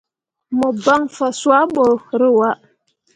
Mo ban fa cuah bo rǝwaa.